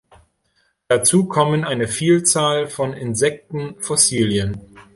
Dazu kommen eine Vielzahl von Insekten-Fossilien.